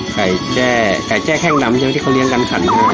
ไก่แจ้ไก่แจ้แค่งน้ำเยียมที่เขาเลี้ยงกันขับเองน่ะ